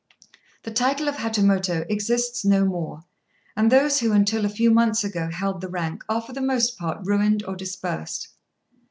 The title of Hatamoto exists no more, and those who until a few months ago held the rank are for the most part ruined or dispersed.